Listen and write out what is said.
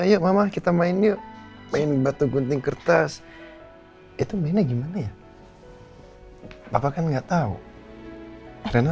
ya mama kita main yuk main batu gunting kertas itu mainnya gimana ya bapak kan enggak tahu karena